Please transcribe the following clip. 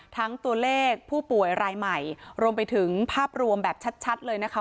ตัวเลขผู้ป่วยรายใหม่รวมไปถึงภาพรวมแบบชัดเลยนะคะ